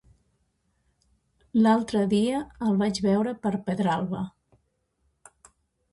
L'altre dia el vaig veure per Pedralba.